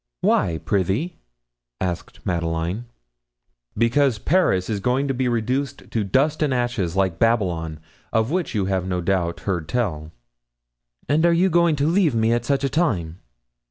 "Why, prithee?" asked Madeleine. "Because Paris is going to be reduced to dust and ashes like Babylon, of which you have no doubt heard tell." "And are you going to leave me at such a time?"